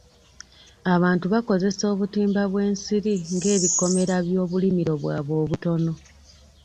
Abantu bakozesa obutimba bw'ensiri ng'ebikomera byobulimiro bwabwe obutono.